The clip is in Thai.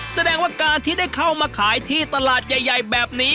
แสดงว่าการที่ได้เข้ามาขายที่ตลาดใหญ่แบบนี้